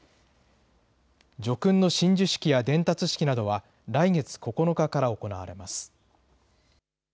叙勲の親授式や伝達式などは、来月９日から行われます。